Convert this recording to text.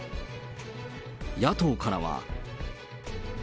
野党からは。